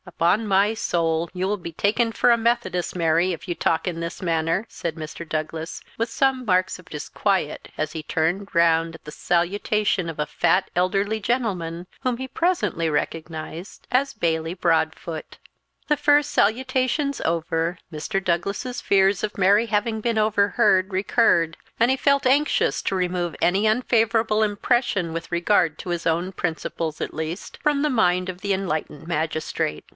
"Upon my soul, you will be taken for a Methodist, Mary, if you talk in this manner," said Mr. Douglas, with some marks of disquiet, as he turned round at the salutation of a fat elderly gentleman, whom he presently recognised as Bailie Broadfoot. The first salutations over, Mr. Douglas's fears of Mary having been overheard recurred, and he felt anxious to remove any unfavourable impression with regard to his own principles, at least, from the mind of the enlightened magistrate.